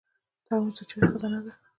ترموز د چایو خزانه ده.